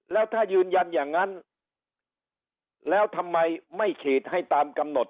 แล้วถ้ายืนยันอย่างนั้นแล้วทำไมไม่ฉีดให้ตามกำหนด